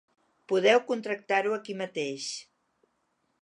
Podeu contractar-ho aquí mateix.